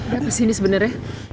dia apa sih ini sebenarnya